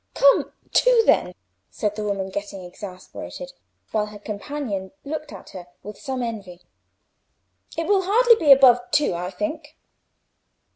"Come; two, then?" said the woman, getting exasperated, while her companion looked at her with some envy. "It will hardly be above two, I think."